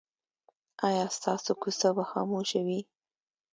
ایا ستاسو کوڅه به خاموشه وي؟